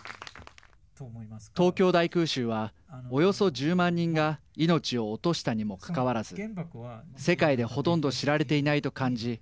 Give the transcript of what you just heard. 東京大空襲はおよそ１０万人が命を落としたにもかかわらず世界でほとんど知られていないと感じ